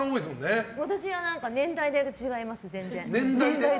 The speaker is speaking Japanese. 私は年代で違います、全然。